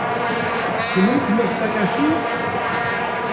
Tessnemt Mass Takahashi?